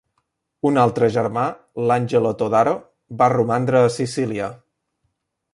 Un altre germà, l'Angelo Todaro, va romandre a Sicília.